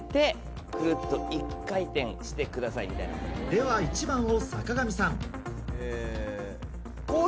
では１番を坂上さん。